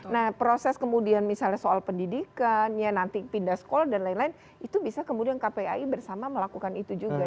nah proses kemudian misalnya soal pendidikan ya nanti pindah sekolah dan lain lain itu bisa kemudian kpai bersama melakukan itu juga